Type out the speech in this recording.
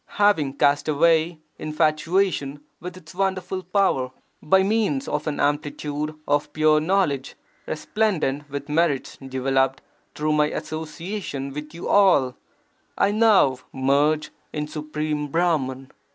Having cast away infatuation with its wonderful power, 60 VAIRAGYA SATAKAM by means of an amplitude of pure knowledge resplendent with merits developed through my association with you all, I now merge in Supreme Brahman.